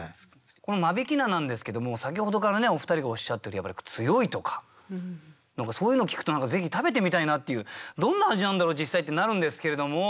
この間引菜なんですけども先ほどからお二人がおっしゃってる「強い」とか何かそういうのを聞くとぜひ食べてみたいなっていう「どんな味なんだろう？実際」ってなるんですけれども。